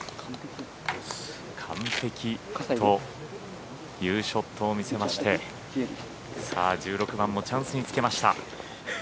完璧というショットを見せまして１６番もチャンスにつけました。